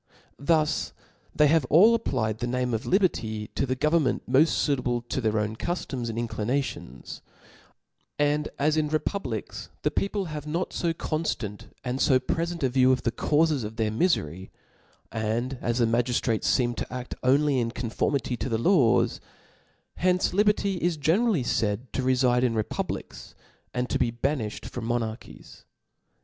Thus they have ajl applied the name of liierfy to the government mpft fuitable to their own cuilom^ and inclinations : and as in republics, the people have not ib conftant and fo prefent a view of the caufes of their mjfery, and as the magiitrates feem to aft only in conformity to the laws, hence li berty is generally faid to refide in republics, an4 to be banilhed from 'monarchies.